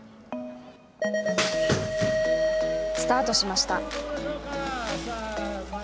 スタートしました。